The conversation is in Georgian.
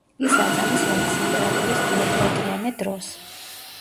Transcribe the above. ის აწამეს რომის იმპერატორის დიოკლეტიანე დროს.